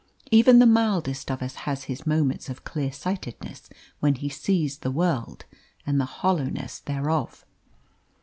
Even the mildest of us has his moments of clear sightedness when he sees the world and the hollowness thereof.